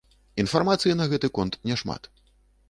Інфармацыі на гэты конт няшмат.